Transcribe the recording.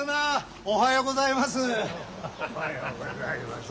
おはようございます。